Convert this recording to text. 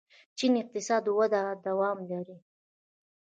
چین اقتصادي وده دوام لري.